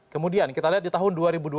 kemudian kita lihat di tahun dua ribu dua puluh